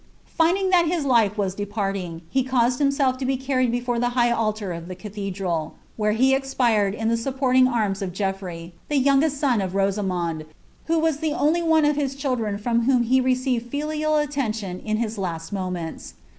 Finding that bii life was departing, he caused himself to be carried before the high tllv of the cathedral, where he expired in the supporting arms of Ceo&tj the youngest eon of Itosaoiond, who was the only one of hts chililrat from whom be received Ulial attention in his la^i moments.